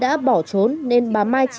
đấy nó gọi đem chị